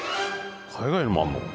海外にもあるの？